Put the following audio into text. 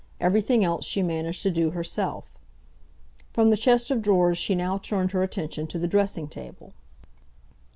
Everything else she managed to do herself. From the chest of drawers she now turned her attention to the dressing table.